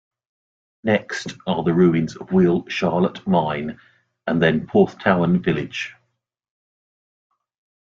Next are the ruins of Wheal Charlotte mine and then Porthtowan village.